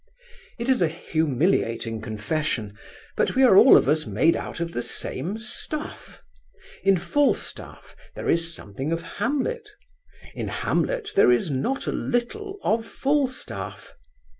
It is a humiliating confession, but we are all of us made out of the same stuff. In Falstaff there is something of Hamlet, in Hamlet there is not a little of Falstaff.